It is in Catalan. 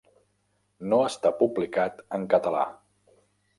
No està publicat en català.